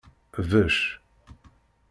Becc.